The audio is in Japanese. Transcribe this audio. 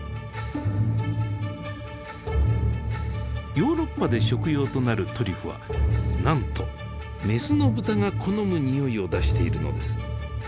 ヨーロッパで食用となるトリュフはなんとメスのブタが好むにおいを出しているのです。